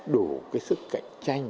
đủ sức cạnh tranh